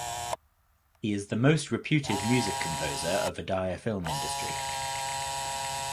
He is the most reputed music composer of Odia Film Industry.